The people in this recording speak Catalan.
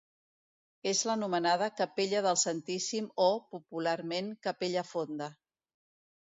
És l'anomenada Capella del Santíssim o, popularment, capella fonda.